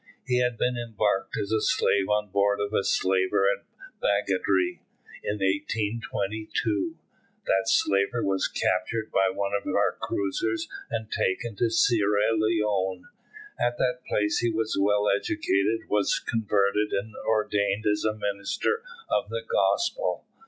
He had been embarked as a slave on board of a slaver at Badagry in 1822. That slaver was captured by one of our cruisers, and taken to Sierra Leone. At that place he was well educated, was converted, and ordained as a minister of the Gospel.